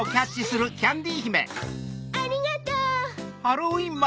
ありがとう。